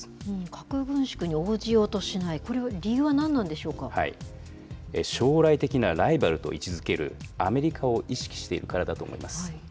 核軍縮に応じようとしない、将来的なライバルと位置づける、アメリカを意識しているからだと思います。